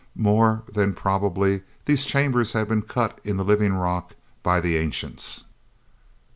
More than probably, these chambers had been cut in the living rock, by the ancients.